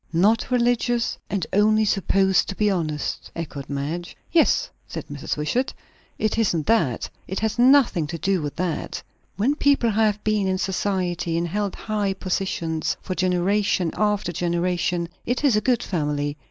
"Not religious, and only supposed to be honest!" echoed Madge. "Yes," said Mrs. Wishart. "It isn't that. It has nothing to do with that. When people have been in society, and held high positions for generation after generation, it is a good family.